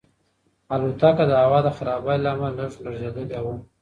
الوتکه د هوا د خرابوالي له امله لږه لړزېدلې وه.